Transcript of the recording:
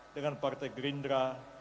dengan partai gerindra